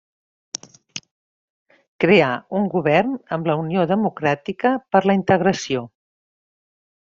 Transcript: Creà un govern amb la Unió Democràtica per la Integració.